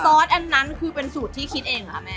ซอสอันนั้นคือเป็นสูตรที่คิดเองเหรอคะแม่